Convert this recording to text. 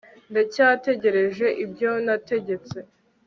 ndacyategereje ibyo nategetse